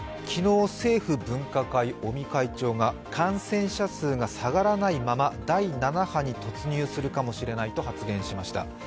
昨日、政府分科会の尾身会長が感染者数が下がらないまま第７波に突入するかもしれないと発言しました。